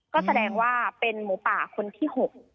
ก็แสดงว่าเป็นหมูป่าคนที่๖